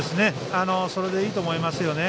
それでいいと思いますね。